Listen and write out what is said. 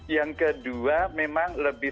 yang kedua memang lebih